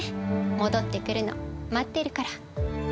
戻ってくるの、待ってるから。